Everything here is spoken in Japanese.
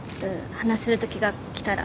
話せるときが来たら。